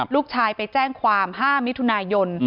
ลูกชายไปแจ้งความ๕มิถุนายน